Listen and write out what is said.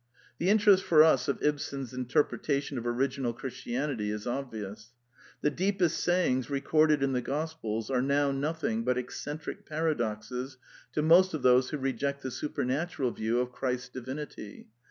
The interest for us of Ibsen's interpretation of original Christianity is obvious. The deepest say ings recorded in the gospels are now nothing but eccentric paradoxes to most of those who reject the supernatural view of Christ's divinity.